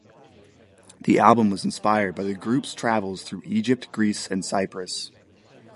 The album was inspired by the group's travels through Egypt, Greece, and Cyprus.